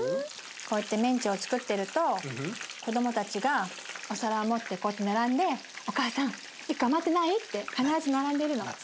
こうやってメンチをつくってると子どもたちがお皿を持ってこうやって並んで「お母さん１個余ってない？」って必ず並んでるの。